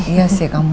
iya sih kamu